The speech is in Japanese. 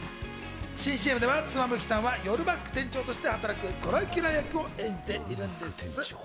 新ＣＭでは妻夫木さんは夜マック店長として働くドラキュラ役を演じています。